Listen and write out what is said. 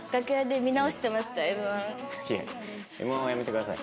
Ｍ−１はやめてください。